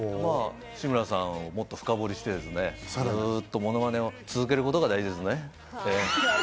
志村さんをもっと深掘りして、ずっとものまねを続けることが大事ですね。